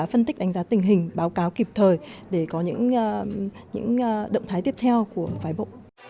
phân tích đánh giá tình hình báo cáo kịp thời để có những động thái tiếp theo của phái bộ